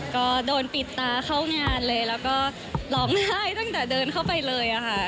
ก็โดนปิดตาเข้างานเลยแล้วก็ร้องไห้ตั้งแต่เดินเข้าไปเลยค่ะ